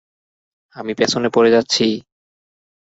আমি পেছনে পড়ে যাচ্ছি!